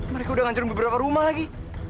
mereka udah ngancurin beberapa rumah lagi